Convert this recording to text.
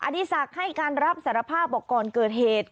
ดีศักดิ์ให้การรับสารภาพบอกก่อนเกิดเหตุ